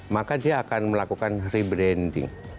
maka dia akan melakukan rebranding